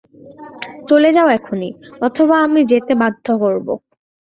চলে যাও এখনই, অথবা আমি যেতে বাধ্য করব।